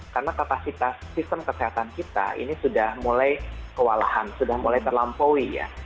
karena kapasitas sistem kesehatan kita ini sudah mulai kewalahan sudah mulai terlampaui ya